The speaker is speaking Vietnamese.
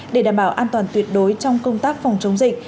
để đảm bảo an toàn tuyệt đối trong công tác phòng chống dịch